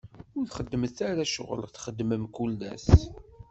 Ur xeddmet ara ccɣel i txeddmem mkul ass.